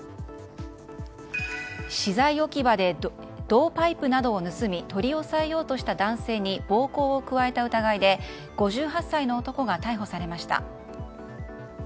資材置き場で銅パイプなどを盗み取り押さえようとした男性に暴行を加えた疑いで５８歳の男が逮捕されました。